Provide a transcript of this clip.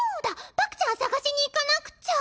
バクちゃん捜しに行かなくっちゃ。